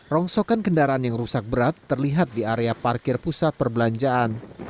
rongsokan kendaraan yang rusak berat terlihat di area parkir pusat perbelanjaan